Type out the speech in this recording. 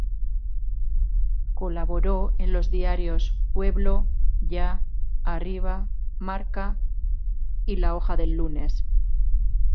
Colaboró en los diarios "Pueblo", "Ya", "Arriba", "Marca" y "La Hoja del Lunes".